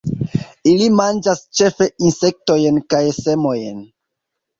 Ili manĝas ĉefe insektojn kaj semojn.